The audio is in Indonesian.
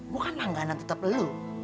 gue kan tangganan tetap lu